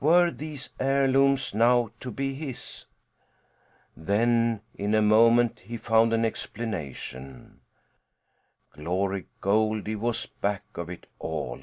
Were these heirlooms now to be his? Then in a moment, he found an explanation: Glory Goldie was back of it all.